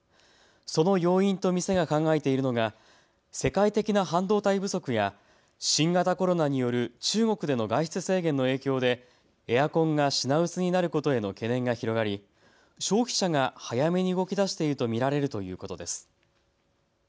その要因と店が考えているのが世界的な半導体不足や新型コロナによる中国での外出制限の影響でエアコンが品薄になることへの懸念が広がり消費者が早めに動きだしていると見られるということです。